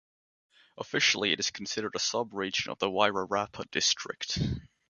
Officially it is considered a sub-region of the Wairarapa district.